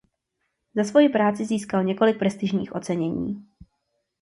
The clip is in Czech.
Za svoji práci získal několik prestižních ocenění.